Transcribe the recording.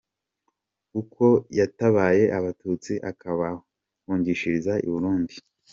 Uko yatabaye Abatutsi akabahungishiriza i Burundi